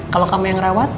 kalau kamu yang rawat